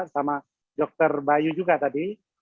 sama dr bayu juga tadi